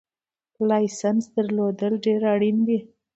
لایسنس درلودل ډېر اړین دي